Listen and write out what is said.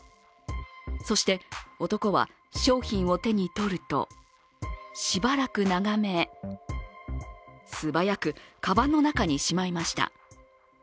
そして男は商品を手に取るとしばらく眺め素早くかばんの中にしまいました。